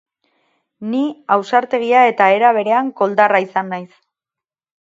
Ni ausartegia eta, era berean, koldarra izan naiz.